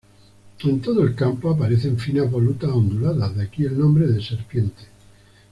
En todo el campo aparecen finas volutas onduladas, de aquí el nombre de serpiente.